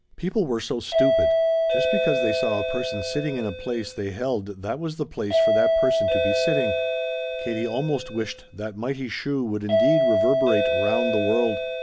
People were so stupid. Just because they saw a person sitting in a place they held that was the place for that person to be sitting. Katie almost wished that mighty "Shoo!" would indeed reverberate 'round the world.